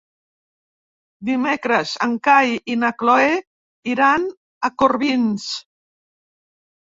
Dimecres en Cai i na Cloè iran a Corbins.